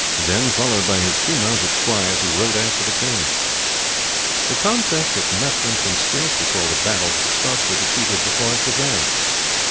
Then, followed by his two mounted squires, he rode after the king. The contest of Methven can scarce be called a battle, for the Scots were defeated before it began.